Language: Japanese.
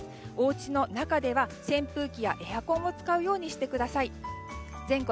おうちの中では扇風機やエアコンを使うようにしてください。